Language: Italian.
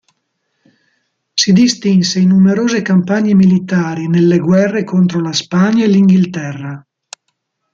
Si distinse in numerose campagne militari nelle guerre contro la Spagna e l'Inghilterra.